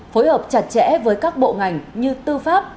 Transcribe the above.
phối hợp chặt chẽ với các bộ ngành như tư pháp